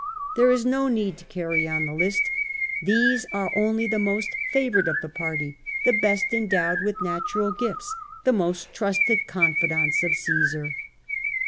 Th.eie is no need to carry on the list. These are only tlie most favoured of the party, the best endowed with natural gifts, the most trusted confidants of Caisar.